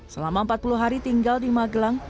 selama empat puluh hari tinggal di magelang